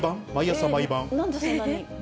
なんでそんなに？